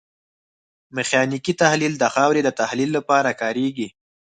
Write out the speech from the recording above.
میخانیکي تحلیل د خاورې د تحلیل لپاره کاریږي